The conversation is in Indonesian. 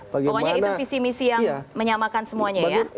pokoknya itu visi misi yang menyamakan semuanya ya